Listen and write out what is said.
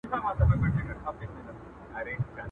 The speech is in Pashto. بې کاري لنگېږي، خواري ترې زېږي.